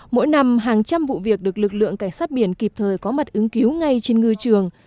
mỗi năm hàng trăm vụ việc được lực lượng cảnh sát biển kịp thời có mặt ứng cứu ngay trên ngư trường